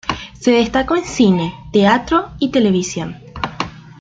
Se destacó en cine, teatro y televisión.